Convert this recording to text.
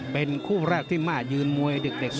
เป็นคู่แรกที่มายืนมวยเด็กมากนะครับ